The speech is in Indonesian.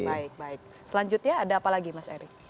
baik baik selanjutnya ada apa lagi mas erick